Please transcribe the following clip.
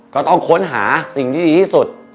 ก็ต้องค้นหาสิ่งที่ดีที่สุด